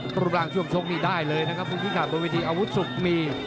ปรุงรางช่วงโชคนี้ได้เลยนะครับคุณพี่ค่ะบนวิธีอาวุธสุขมี